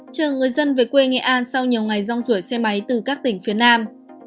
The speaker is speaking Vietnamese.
chờ người dân về quê nghệ an sau nhiều ngày rong rủi xe máy từ các tỉnh phía nam